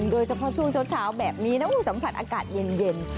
โดยเฉพาะช่วงเช้าแบบนี้นะสัมผัสอากาศเย็น